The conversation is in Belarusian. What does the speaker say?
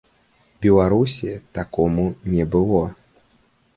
Беларусі такому не было.